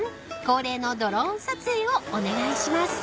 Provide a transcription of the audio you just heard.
恒例のドローン撮影をお願いします］